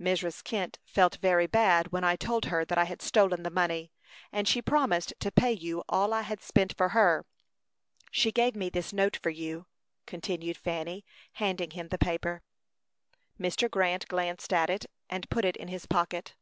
"Mrs. Kent felt very bad when I told her that I had stolen the money; and she promised to pay you all I had spent for her. She gave me this note for you," continued Fanny, handing him the paper. Mr. Grant glanced at it, and put it in his pocket.